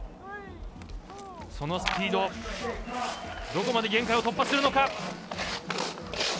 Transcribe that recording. そのスピードどこまで限界を突破するのか。